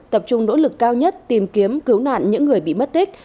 tập trung nỗ lực cao nhất tìm kiếm cứu nạn những người bị mất tích